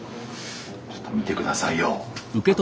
ちょっと見て下さいよ。